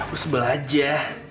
aku sebel aja